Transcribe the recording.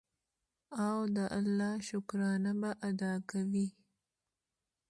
او د الله شکرانه به ادا کوي.